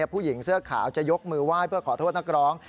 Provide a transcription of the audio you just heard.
ผู้หญิงเสื้อขาวจะยกมือไหว้เพื่อขอโทษนักร้อง